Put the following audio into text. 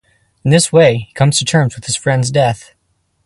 In this way, he comes to terms with his friend's death.